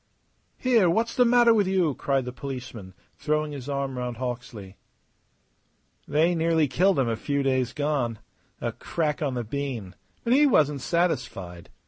"Here, what's the matter with you?" cried the policeman, throwing his arm round Hawksley. "They nearly killed him a few days gone. A crack on the bean; but he wasn't satisfied.